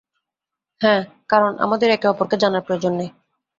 হ্যাঁ, কারণ আমাদের একে অপরকে জানার প্রয়োজন নেই।